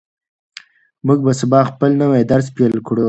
موږ به سبا خپل نوی درس پیل کړو.